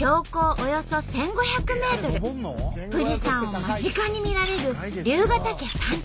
およそ１，５００ｍ富士山を間近に見られる竜ヶ岳山頂。